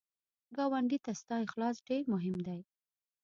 ګاونډي ته ستا اخلاص ډېر مهم دی